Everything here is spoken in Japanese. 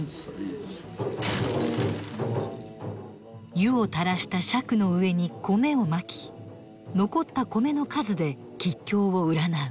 湯をたらした笏の上に米をまき残った米の数で吉凶を占う。